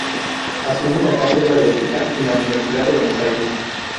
Asume la cátedra de Ética en la Universidad de Buenos Aires.